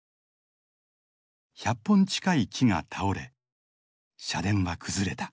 １００本近い木が倒れ社殿は崩れた。